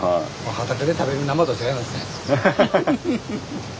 畑で食べる生と違いますね。